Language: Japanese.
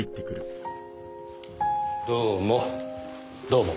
どうも。